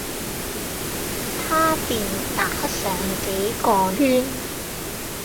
他便打上幾個圈；